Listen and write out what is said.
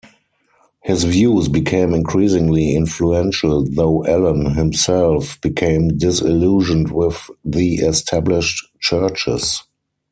His views became increasingly influential, though Allen himself became disillusioned with the established churches.